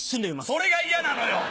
それが嫌なのよ